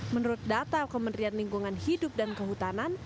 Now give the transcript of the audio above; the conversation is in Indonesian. menurut data kementerian lingkungan hidup dan kehutanan